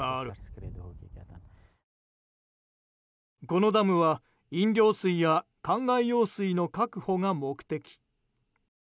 このダムは飲料水やかんがい用水の確保が目的。